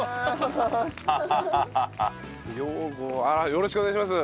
よろしくお願いします。